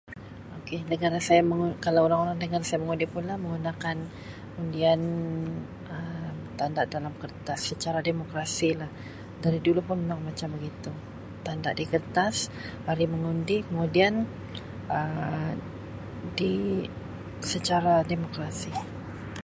Okay negara say mengu-kalau orang-orang negara saya mengundi pula menggunakan undian Um tanda dalam kertas secara demokrasilah. Dari dulu pun memang macam gitu, tanda di kertas hari mengundi kemudian Um undi secara demokrasi.